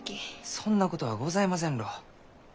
そんなことはございませんろう。